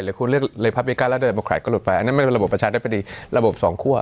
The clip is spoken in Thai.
หรือคุณเลือกลีพราบิกัลแล้วเดมโมคราตก็หลุดไปอันนั้นไม่เป็นระบบประชาธิปดีระบบสองคั่ว